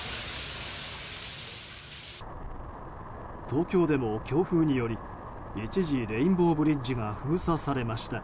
東京でも強風により一時レインボーブリッジが封鎖されました。